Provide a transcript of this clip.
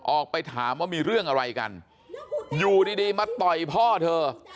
ออกไปถามว่ามีเรื่องอะไรกันอยู่ดีมาต่อยพ่อเธอ